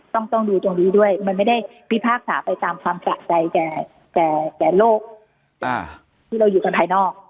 ต้องดูตรงนี้ด้วยมันไม่ได้พิพากษาไปตามความสะใจแก่โลกที่เราอยู่กันภายนอก